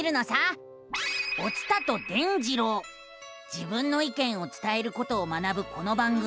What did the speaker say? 自分の意見を伝えることを学ぶこの番組。